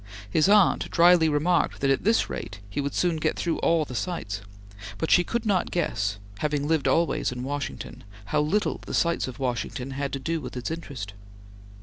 His aunt drily remarked that, at this rate, he would soon get through all the sights; but she could not guess having lived always in Washington how little the sights of Washington had to do with its interest.